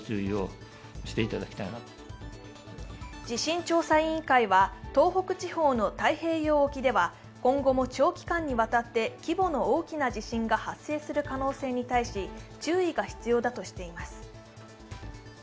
地震調査委員会は東北地方の太平洋沖では今後も長期間にわたって規模の大きな地震が発生する可能性に対し注意が必要だとしています。